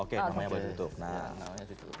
oke namanya ditutup